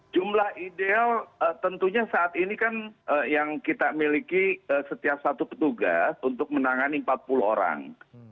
jumlah ideal tentunya saat ini kan yang kita miliki setiap satu petugas untuk menangani empat puluh orang